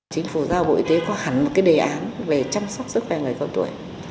chính phủ giao bộ y tế có hẳn một đề án về chăm sóc sức khỏe người cao tuổi